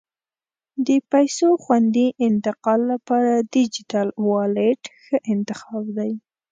د پیسو خوندي انتقال لپاره ډیجیټل والېټ ښه انتخاب دی.